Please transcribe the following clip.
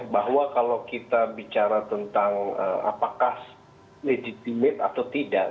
bahwa kalau kita bicara tentang apakah legitimate atau tidak